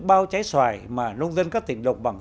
bao trái xoài mà nông dân các tỉnh đồng bằng